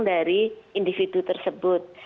dari individu tersebut